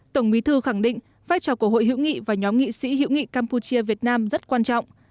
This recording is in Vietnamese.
tổng bí thư khẳng định vai trò của hội hữu nghị và nhóm nghị sĩ hữu nghị campuchia việt nam rất quan trọng